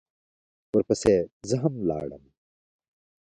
ورپسې زه هم لاړم.